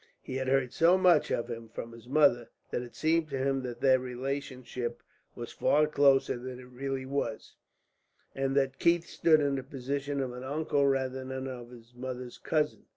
He had heard so much of him, from his mother, that it seemed to him that their relationship was far closer than it really was, and that Keith stood in the position of an uncle rather than of his mother's cousin.